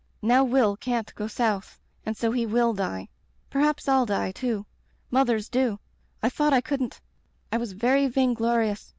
Now Will can't go South, and so he will die — ^perhaps FU die, too. Mothers do — I thought I couldn't. I was very vainglori ous.